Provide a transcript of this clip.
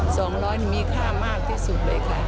สองร้อยมีค่ามากที่สุดเลยค่ะ